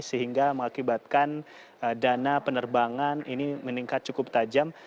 sehingga mengakibatkan dana penerbangan ini meningkat cukup tajam